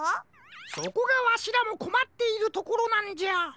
そこがわしらもこまっているところなんじゃ。